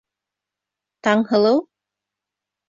Таңһылыу...